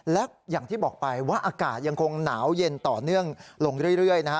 และอย่างที่บอกไปว่าอากาศยังคงหนาวเย็นต่อเนื่องลงเรื่อยนะฮะ